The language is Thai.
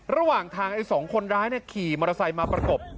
ระหว่างทางไอ้สองคนร้ายขี่มอเตอร์ไซค์มาประกบ